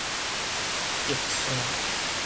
軸線